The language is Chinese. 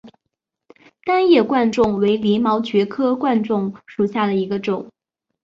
单叶贯众为鳞毛蕨科贯众属下的一个种。